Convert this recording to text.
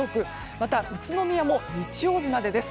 また宇都宮も日曜日までです。